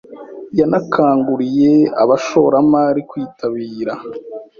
Yanakanguriye abashoramari kwitabira